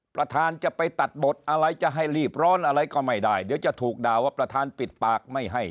ประธานจะไปตัดบทอะไรจะให้รีบร้อนอะไรก็ไม่ได้เดี๋ยวจะถูกด่าว่าประธานปิดปากไม่ให้